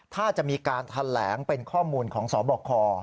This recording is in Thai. ถ้าจะมีการแถลงเป็นข้อมูลของสบค